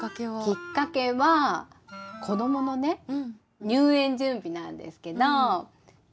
きっかけは子どものね入園準備なんですけどほんとはね